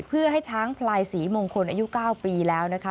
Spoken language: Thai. เพื่อให้ช้างพลายศรีมงคลอายุ๙ปีแล้วนะคะ